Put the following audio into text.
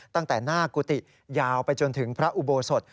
ตั้งแต่หน้ากุฏิยาวไปจนถึงพระอุโบสถ